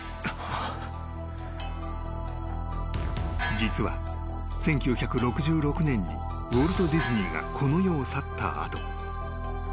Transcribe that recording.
［実は１９６６年にウォルト・ディズニーがこの世を去った後］